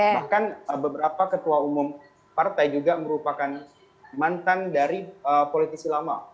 bahkan beberapa ketua umum partai juga merupakan mantan dari politisi lama